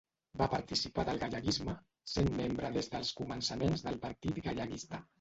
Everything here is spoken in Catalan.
Va participar del galleguisme, sent membre des dels començaments del Partit Galleguista.